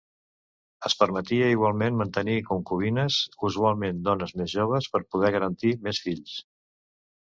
Es permetia igualment mantenir concubines, usualment dones més joves per poder garantir més fills.